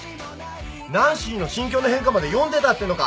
ナンシーの心境の変化まで読んでたってのか？